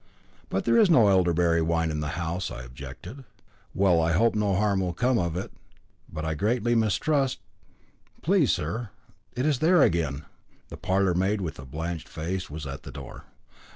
"But there is no elderberry wine in the house," I objected. "Well, I hope no harm will come of it, but I greatly mistrust " "Please, sir, it is there again." The parlourmaid, with a blanched face, was at the door.